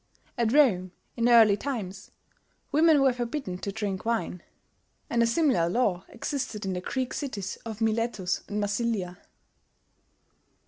At Rome, in early times, women were forbidden to drink wine; and a similar law existed in the Greek cities of Miletus and Massilia.